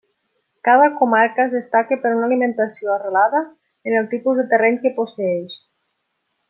Cada comarca es destaca per una alimentació arrelada en el tipus de terreny que posseeix.